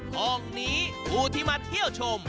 ห้องนี้ผู้ที่มาเที่ยวชม